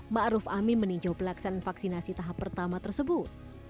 ma'ruf amin meninjau pelaksanaan vaksinasi tahap pertama tersebut